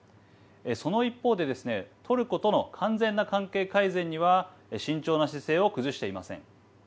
その一方でですねトルコとの完全な関係改善には慎重な姿勢を崩していません。